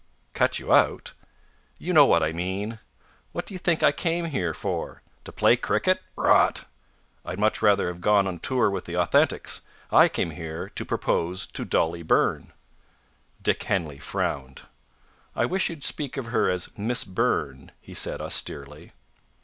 "Cut you out?" "You know what I mean. What do you think I came here for? To play cricket? Rot! I'd much rather have gone on tour with the Authentics. I came here to propose to Dolly Burn." Dick Henley frowned. "I wish you'd speak of her as Miss Burn," he said austerely.